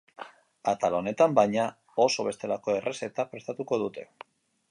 Atal honetan, baina, oso bestelako errezeta prestatuko dute.